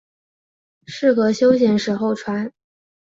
适合休闲时候穿。